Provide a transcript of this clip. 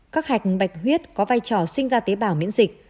các hạch bạch huyết có vai trò sinh ra tế bào miễn dịch